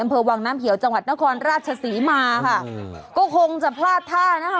อำเภอวังน้ำเขียวจังหวัดนครราชศรีมาค่ะอืมก็คงจะพลาดท่านะคะ